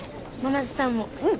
うん。